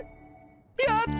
やった！